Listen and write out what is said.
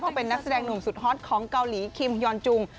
ก็เป็นนักแสดงหนุ่มสุดฮอตของเกาหลีคิมยอนจุง